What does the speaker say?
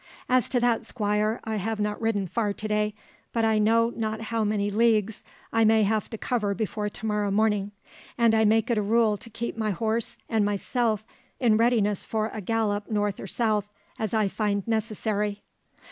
"As to that, Squire, I have not ridden far to day, but I know not how many leagues I may have to cover before to morrow morning, and I make it a rule to keep my horse and myself in readiness for a gallop north or south, as I find necessary."